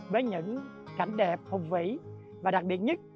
với những cảnh đẹp hùng vĩ và đặc biệt nhất